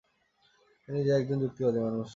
তিনি নিজে একজন যুক্তিবাদী মানুষ।